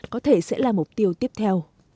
có thể sẽ là mục tiêu tiếp theo